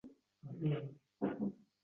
Voy, ahvolimizni qara, kuldi Durdona